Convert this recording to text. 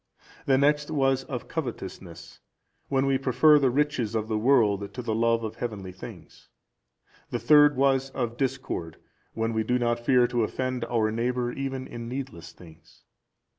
The next was of covetousness, when we prefer the riches of the world to the love of heavenly things. The third was of discord, when we do not fear to offend our neighbour even in needless things.